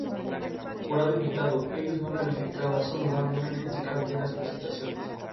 Los integrantes no reciben percepción por su participación en la formación.